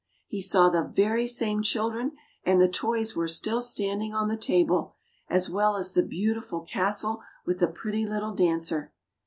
He saw the very same children, and the toys were still standing on the table, as well as the beautiful castle with the pretty little dancer.